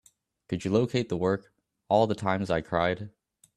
Could you locate the work, All the Times I Cried?